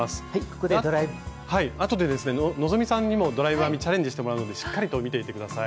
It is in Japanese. あとでですね希さんにもドライブ編みチャレンジしてもらうのでしっかりと見ていて下さい。